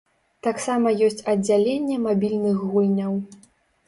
Таксама ёсць аддзяленне мабільных гульняў.